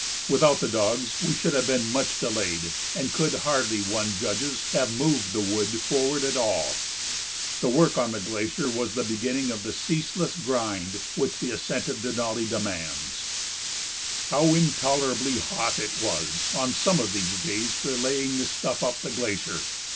Without the dogs we should have been much delayed and could hardly, one judges, have moved the wood forward at all. The work on the glacier was the beginning of the ceaseless grind which the ascent of Denali demands. [Illustration: Ascension Day, 1913.] How intolerably hot it was, on some of these days, relaying the stuff up the glacier!